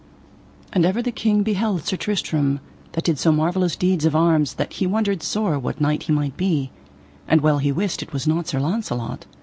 And ever the king beheld Sir Tristram, that did so marvellous deeds of arms that he wondered sore what knight he might be, and well he wist it was not Sir Launcelot.